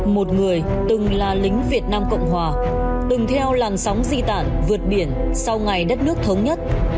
một người từng là lính việt nam cộng hòa từng theo làn sóng di tản vượt biển sau ngày đất nước thống nhất